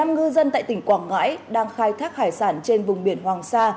một mươi năm ngư dân tại tỉnh quảng ngãi đang khai thác hải sản trên vùng biển hoàng sa